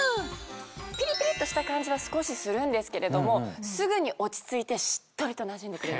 ピリピリっとした感じは少しするんですけれどもすぐに落ち着いてしっとりとなじんでくれるんです。